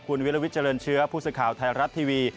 คุณวิลวิทเจริญเชื้อผู้สื่อข่าวไทยรัฐทีวี